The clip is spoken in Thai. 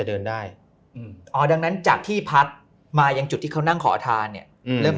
เดินได้อืมอ๋อดังนั้นจากที่พักมายังจุดที่เขานั่งขอทานเนี่ยเริ่ม